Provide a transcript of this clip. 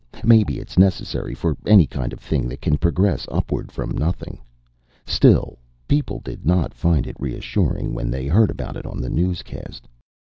Maybe it's necessary for any kind of thing that can progress upward from nothing. Still, people did not find it reassuring when they heard about it on the newscast.